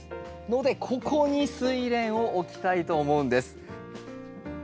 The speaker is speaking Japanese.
のでここにスイレンを置きたいと思うんです。